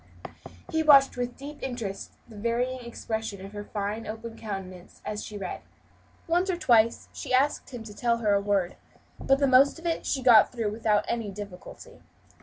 He watched with deep interest the varying expression of her fine open countenance as she read. Once or twice she asked him to tell her a word, but the most of it she got through without any difficulty.